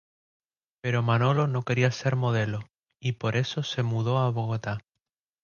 Pero Manolo no quería ser modelo, y por eso se mudó a Bogotá.